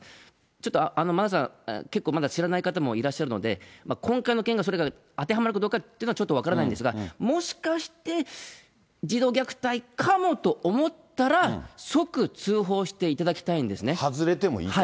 ちょっと、まだ知らない方もいらっしゃるので、今回の件がそれに当てはまるかはちょっと分からないんですが、もしかして児童虐待かもと思ったら、即通報していただきたいんで外れてもいいから。